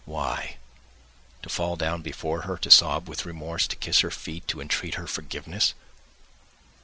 Why? To fall down before her, to sob with remorse, to kiss her feet, to entreat her forgiveness!